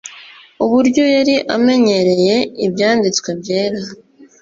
uburyo yari amenyereye Ibyanditswe byera;